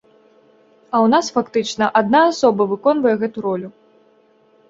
А ў нас фактычна адна асоба выконвае гэтую ролю.